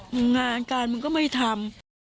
มันงานการมันก็ไม่ทำ